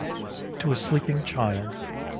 TO A SLEEPING CHILD. II.